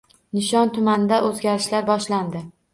Nishon tumanida o‘zgarishlar boshlandi